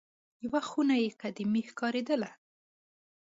یوه خونه یې قدیمه ښکارېدله.